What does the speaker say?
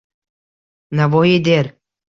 Navoiy der: